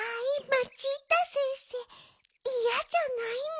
マチータ先生いやじゃないミ？